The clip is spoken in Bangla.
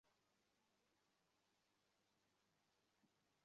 প্রশ্নটা একটু ঘুরিয়ে করি।